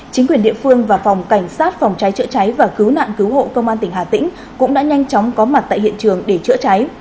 chính quyền địa phương và phòng cảnh sát phòng cháy chữa cháy và cứu nạn cứu hộ công an tỉnh hà tĩnh cũng đã nhanh chóng có mặt tại hiện trường để chữa cháy